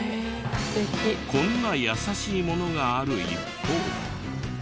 こんな優しいものがある一方。